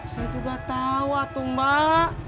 saya juga tahu mbak